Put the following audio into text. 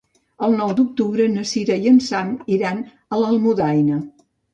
El nou d'octubre na Cira i en Sam iran a Almudaina.